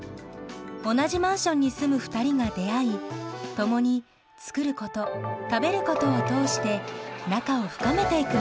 同じマンションに住む２人が出会い共に「作ること」「食べること」を通して仲を深めていく物語。